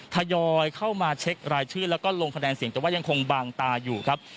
ทยอยเข้ามาเช็ครายชื่อแล้วก็ลงคะแนนเสียงแต่ว่ายังคงบางตาอยู่ครับ